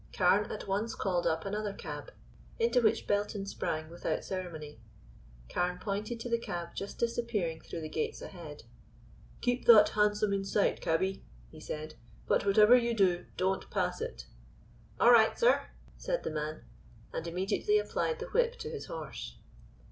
Carne at once called up another cab, into which Belton sprang without ceremony. Carne pointed to the cab just disappearing through the gates ahead. "Keep that hansom in sight, cabby," he said: "but whatever you do don't pass it." "All right, sir," said the man, and immediately applied the whip to his horse.